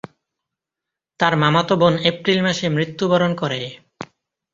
তার মামাতো বোন এপ্রিল মাসে মৃত্যুবরণ করে।